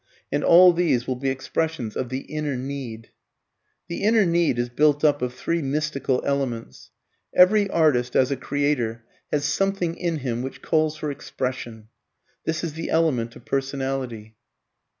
And all these will be expressions of the inner need. The inner need is built up of three mystical elements: (1) Every artist, as a creator, has something in him which calls for expression (this is the element of personality).